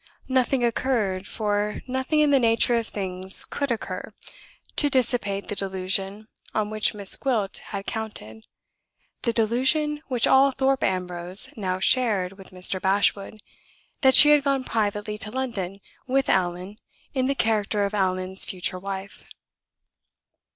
Nothing occurred (for nothing in the nature of things could occur) to dissipate the delusion on which Miss Gwilt had counted the delusion which all Thorpe Ambrose now shared with Mr. Bashwood, that she had gone privately to London with Allan in the character of Allan's future wife.